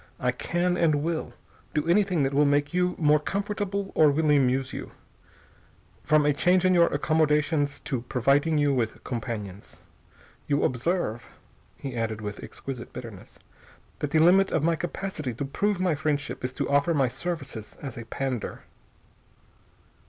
I can, and will, do anything that will make you more comfortable or will amuse you, from a change in your accommodations to providing you with companions. You observe," he added with exquisite bitterness, "that the limit of my capacity to prove my friendship is to offer my services as a pander."